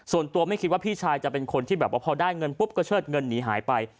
ส่วนตัวไม่คิดว่าพี่ชายจะเป็นคนที่แบบว่าพอได้เงินปุ๊บก็เชิดเงินหนีหายไป